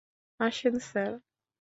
আসেন, স্যার।